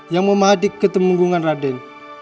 yang memadik ketemunggungan raden